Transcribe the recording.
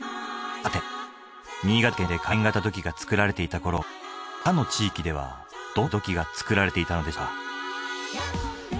さて新潟県で『火焔型土器』が作られていた頃他の地域ではどんな土器が作られていたのでしょうか？